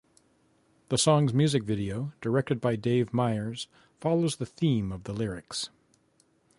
The song's music video, directed by Dave Meyers, follows the theme of the lyrics.